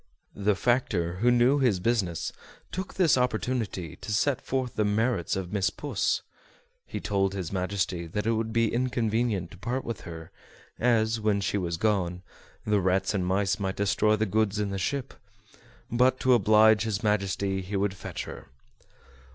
The factor, who knew his business, took this opportunity to set forth the merits of Miss Puss. He told his Majesty that it would be inconvenient to part with her, as, when she was gone, the rats and mice might destroy the goods in the ship but to oblige his Majesty he would fetch her.